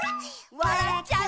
「わらっちゃう」